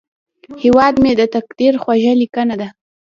هیواد مې د تقدیر خوږه لیکنه ده